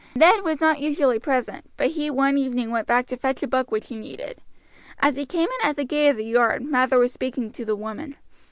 Ned was not usually present, but he one evening went back to fetch a book which he needed. As he came in at the gate of the yard Mather was speaking to the woman.